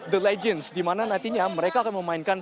rai jeans di mana nantinya mereka akan memainkan